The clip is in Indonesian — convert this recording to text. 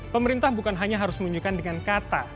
pemerintah bukan hanya harus menunjukkan dengan kata